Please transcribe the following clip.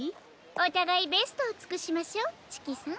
おたがいベストをつくしましょうチキさん。